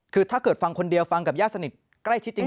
คือถ้าเกิดฟังคนเดียวฟังกับญาติสนิทใกล้ชิดจริง